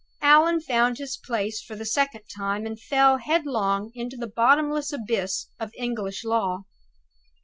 Allan found his place for the second time, and fell headlong into the bottomless abyss of the English Law.